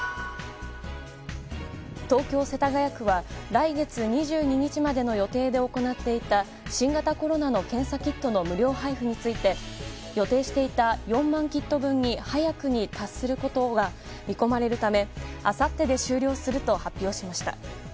東京・世田谷区は来月２２日までの予定で行っていた新型コロナの検査キットの無料配布について予定していた４万キット分に早くに達することが見込まれるためあさってで終了すると発表しました。